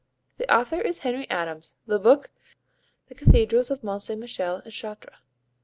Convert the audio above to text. The author is Henry Adams, the book, The Cathedrals of Mont St. Michel and Chartres.